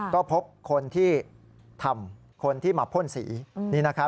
ก็พบคนที่ทำคนที่มาพ่นสี